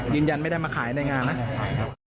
ยืนยันไม่ได้มาขายในงานนะ